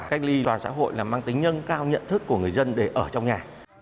cách ly toàn xã hội là mang tính nhân cao nhận thức của người dân để ở trong nhà